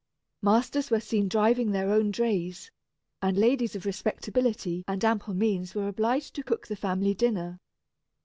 Masters were seen driving their own drays; and ladies of respectability and ample means were obliged to cook the family dinner.